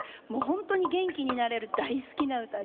本当に元気になれる大好きな歌です。